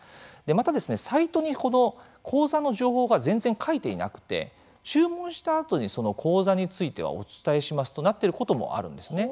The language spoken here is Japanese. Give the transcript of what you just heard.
また、サイトに口座の情報が全然書いていなくて注文したあとにその口座についてはお伝えしますとなっていることもあるんですね。